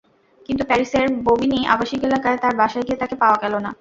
কিন্তু প্যারিসের ববিনি আবাসিক এলাকায় তাঁর বাসায় গিয়ে তাঁকে পাওয়া গেল না।